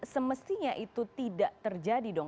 semestinya itu tidak terjadi dong